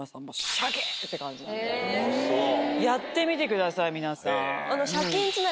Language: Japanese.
やってみてください皆さん。